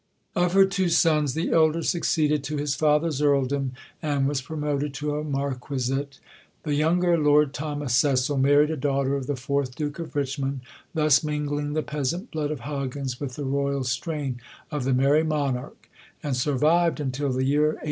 Of her two sons, the elder succeeded to his father's Earldom, and was promoted to a Marquisate. The younger, Lord Thomas Cecil, married a daughter of the fourth Duke of Richmond thus mingling the peasant blood of Hoggins with the Royal strain of the "Merrie Monarch," and survived until the year 1873.